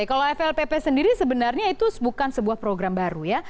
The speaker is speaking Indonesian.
kalau flpp sendiri sebenarnya itu bukan sebuah program baru ya